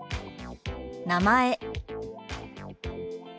「名前」。